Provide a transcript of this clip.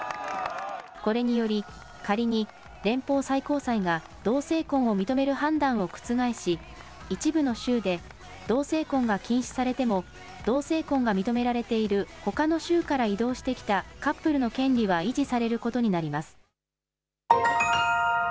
これにより、仮に連邦最高裁が同性婚を認める判断を覆し、一部の州で同性婚が禁止されても、同性婚が認められているほかの州から移動してきたカップルの権利は維持されることになります。